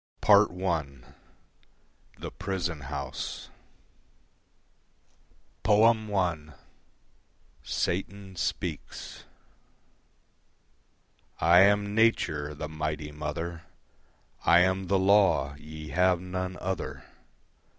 Part I The Prison House I. Satan Speaks I am Nature, the Mighty Mother, I am the law: ye have none other.